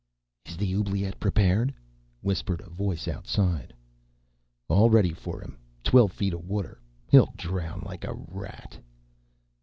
"Is the oubliette prepared?" whispered a voice outside. "All ready for him. Twelve feet of water. He'll drown like a rat."